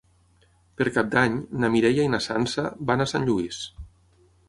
Per Cap d'Any na Mireia i na Sança van a Sant Lluís.